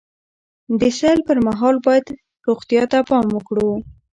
د سیل پر مهال باید روغتیا ته پام وکړو.